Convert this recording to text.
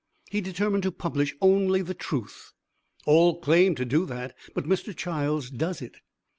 He determined to publish only the truth; all claim to do that, but Mr. Childs does it.